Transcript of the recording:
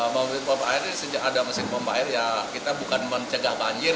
mobil pompa air ini sejak ada mesin pompa air ya kita bukan mencegah banjir